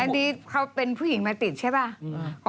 อันนี้เขาเป็นผู้หญิงมาติดใช่ป่ะ